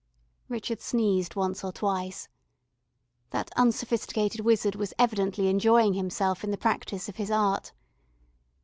Richard sneezed once or twice. That unsophisticated wizard was evidently enjoying himself in the practice of his art.